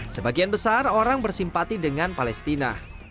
sebagian besar orang bersimpati dengan palestina